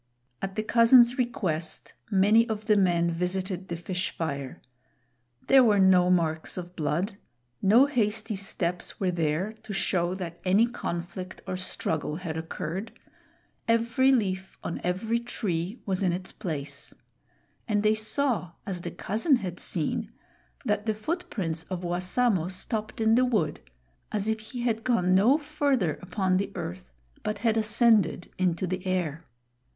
At the cousin's request, many of the men visited the fish fire. There were no marks of blood. No hasty steps were there to show that any conflict or struggle had occurred. Every leaf on every tree was in its place; and they saw, as the cousin had seen, that the foot prints of Wassamo stopped in the wood, as if he had gone no farther upon the earth but had ascended into the air.